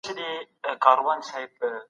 زه د انار د اوبو په څښلو بوخت یم.